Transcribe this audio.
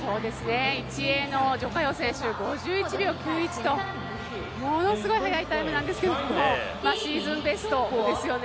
１泳の徐嘉余選手５１秒９１と、ものすごい速いタイムなんですけどもシーズンベストですよね。